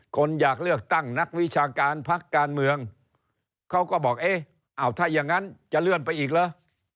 คนอยากเลือกตั้งนักวิชาการพักการเมืองเขาก็บอกเอ๊ะอ้าวถ้าอย่างนั้นจะเลื่อนไปอีกเหรอ